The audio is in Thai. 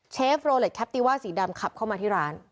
เชฟโรเล็ตแคปติว่าสีดำขับเข้ามาที่ร้าน